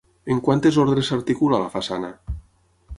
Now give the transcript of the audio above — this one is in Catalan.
En quantes ordres s'articula la façana?